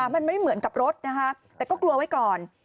มันไม่เหมือนกับรถนะคะแต่ก็กลัวไว้ก่อน